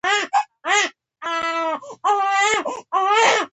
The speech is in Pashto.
ما د هغه مړي ته کتل چې سترګې یې رډې وې